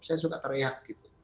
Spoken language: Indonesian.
saya suka karyak